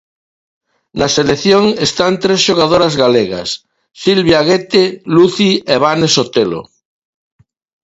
Na selección están tres xogadoras galegas, Silvia Aguete, Luci e Vane Sotelo.